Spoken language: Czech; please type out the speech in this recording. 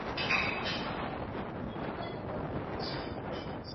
Orleánského ačkoliv není zmiňován v žádném katalogu sbírky.